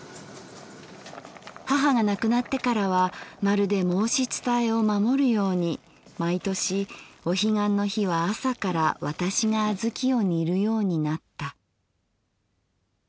母がなくなってからはまるで申し伝えを守るように毎年お彼岸の日は朝から私が小豆を煮るようになった」。